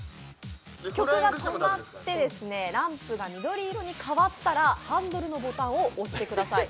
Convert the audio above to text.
曲が止まってランプが緑色に変わったらハンドルのボタンを押してください。